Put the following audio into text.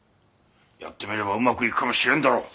やってみればうまくいくかもしれんだろう。